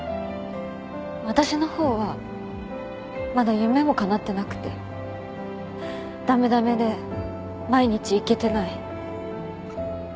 私の方はまだ夢もかなってなくて駄目駄目で毎日イケてない。